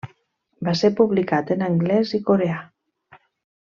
Va ser publicat en anglès i coreà.